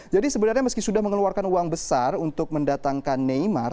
jadi sebenarnya meski sudah mengeluarkan uang besar untuk mendatangkan neymar